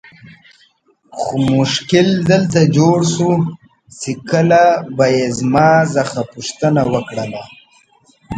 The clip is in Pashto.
خو مشکل دلته جوړ سو چې کله به یې زما څخه پوښتنه وکړل.